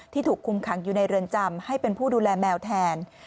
ถูกคุมขังอยู่ในเรือนจำให้เป็นผู้ดูแลแมวแทน